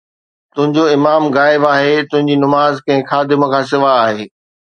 تنهنجو امام غائب آهي، تنهنجي نماز ڪنهن خادم کان سواءِ آهي